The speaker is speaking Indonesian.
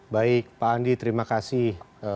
baik pak andi terima kasih